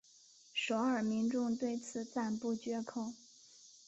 首尔民众对此赞不绝口。